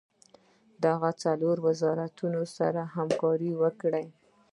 دغه څلور وزارتونه سره همکاري وکړي.